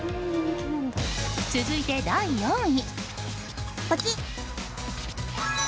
続いて、第４位。